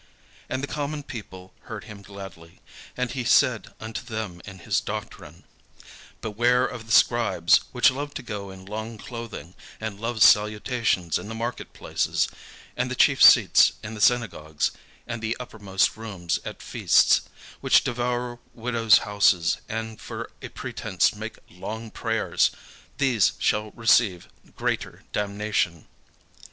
And the common people heard him gladly. And he said unto them in his doctrine: "Beware of the scribes, which love to go in long clothing, and love salutations in the market places, and the chief seats in the synagogues, and the uppermost rooms at feasts: which devour widows' houses, and for a pretence make long prayers: these shall receive greater damnation."